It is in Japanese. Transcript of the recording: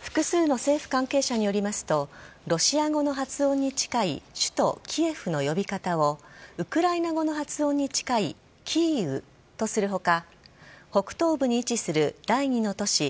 複数の政府関係者によりますとロシア語の発音に近い首都・キエフの呼び方をウクライナ語の発音に近いキーウとする他北東部に位置する第２の都市